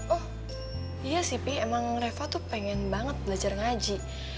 oh iya sih pi emang reva tuh pengen banget belajar ngaji